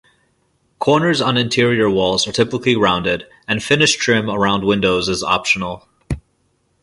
Corners on interior walls are typically rounded and finish trim around windows is optional.